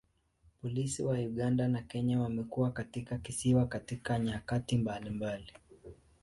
Polisi wa Uganda na Kenya wamekuwa katika kisiwa katika nyakati mbalimbali.